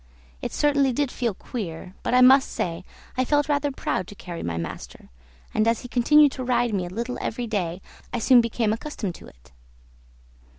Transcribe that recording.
It certainly did feel queer; but I must say I felt rather proud to carry my master, and as he continued to ride me a little every day I soon became accustomed to it.